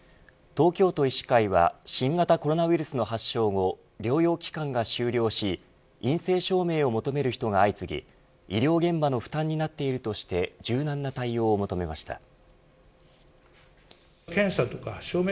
東京都医師会は新型コロナウイルスの発症後療養期間が終了し陰性証明を求める人が相次ぎ医療現場の負担になっているとして柔軟な対応を求めました。